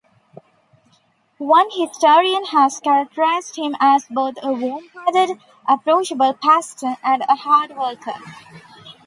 One historian has characterized him as both a warm-hearted, approachable pastor and a hard-worker.